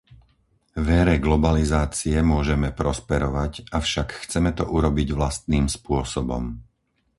V ére globalizácie môžeme prosperovať, avšak chceme to urobiť vlastným spôsobom.